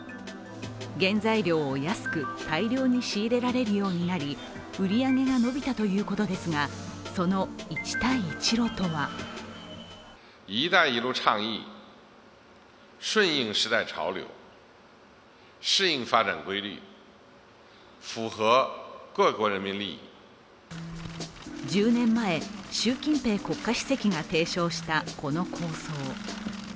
原材料を安く、大量に仕入れられるようになり売り上げが伸びたということですがその一帯一路とは１０年前、習近平国家主席が提唱したこの構想。